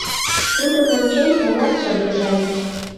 Тудым ончен, молат шыргыжальыч.